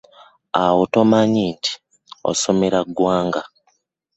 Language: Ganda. Awo tomanyi nti osomesa ggwanga?